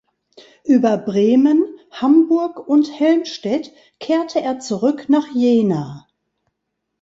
Über Bremen, Hamburg und Helmstedt kehrte er zurück nach Jena.